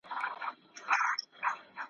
داسي وسوځېدم ولاړم لکه نه وم چا لیدلی `